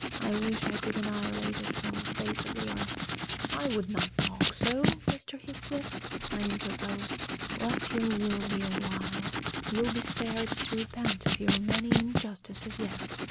I wish I could annihilate it from the face of the earth." "I would not talk so, Mr. Heathcliff," I interposed. "Let your will be a while you'll be spared to repent of your many injustices yet!